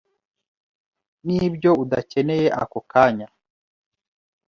n’ibyo udakeneye ako kanya.